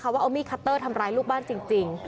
แจ๊ตเตอร์ทำร้ายลูกบ้านจริง